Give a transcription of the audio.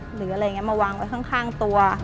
หรืออะไรอย่างนี้มาวางไว้ข้างตัว